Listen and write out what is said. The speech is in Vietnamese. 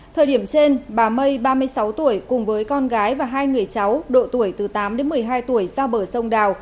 thời điểm trên bà mây ba mươi sáu tuổi cùng với con gái và hai người cháu độ tuổi từ tám đến một mươi hai tuổi ra bờ sông đào